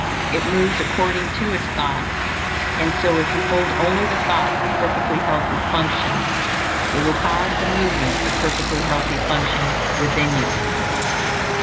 It moves according to its thoughts; and so if you hold only the thoughts of perfectly healthy function, it will cause the movements of perfectly healthy function within you.